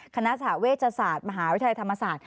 คณะสหเวชศาสตร์มหาวิทยาลัยธรรมศาสตร์